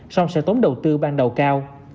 song sẽ tốn đầu tư ban đầu cao